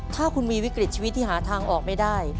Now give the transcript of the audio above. ถ้าคุณมีวิกฤตชีวิตที่หาทางออกไม่ได้